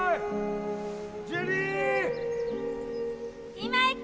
今行く！